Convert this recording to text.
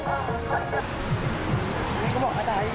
ก็ยังมีปัญหาราคาเข้าเปลือกก็ยังลดต่ำลง